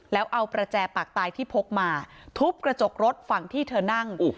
แล้วเอาประแจปากตายที่พกมาทุบกระจกรถฝั่งที่เธอนั่ง